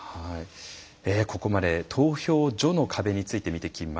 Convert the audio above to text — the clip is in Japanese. ここまで投票所の壁について見てきました。